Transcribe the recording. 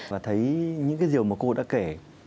và thấy những cái điều mà cô đã kể